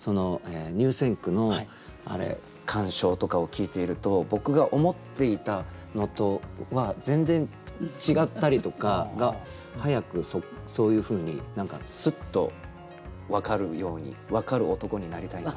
入選句の鑑賞とかを聞いていると僕が思っていたのとは全然違ったりとかが早くそういうふうにスッと分かるように分かる男になりたいなと。